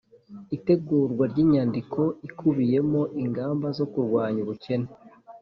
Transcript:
itegurwa ry'inyandiko ikubiyemo ingamba zo kurwanya ubukene